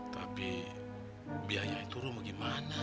tapi biayanya itu rumah gimana